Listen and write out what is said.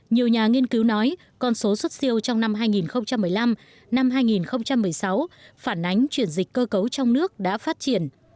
nhiều nhà nghiên cứu nói con số xuất siêu trong năm hai nghìn một mươi năm năm hai nghìn một mươi sáu phản ánh chuyển dịch cơ cấu trong nước đã phát triển